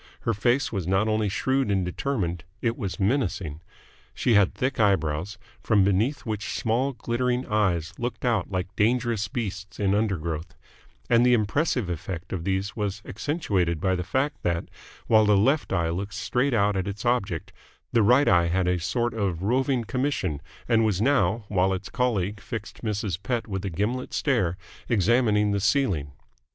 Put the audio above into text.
Her face was not only shrewd and determined: it was menacing. She had thick eyebrows, from beneath which small, glittering eyes looked out like dangerous beasts in undergrowth: and the impressive effect of these was accentuated by the fact that, while the left eye looked straight out at its object, the right eye had a sort of roving commission and was now, while its colleague fixed Mrs. Pett with a gimlet stare, examining the ceiling.